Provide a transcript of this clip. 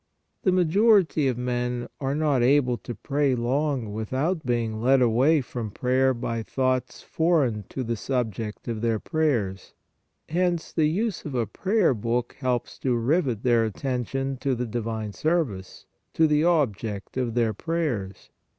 The majority of men are not able to pray long without being led away from prayer by thoughts foreign to the subject of their prayers; hence the use of a prayer book helps to rivet their attention to the divine service, to the ob ject of their prayers.